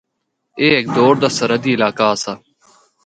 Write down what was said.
اے ہک دور دا سرحدی علاقہ آسا۔